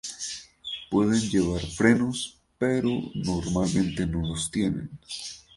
Pueden llevar frenos, pero normalmente no los tienen.